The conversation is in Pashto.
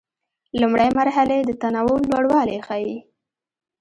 لومړۍ مرحلې د تنوع لوړوالی ښيي.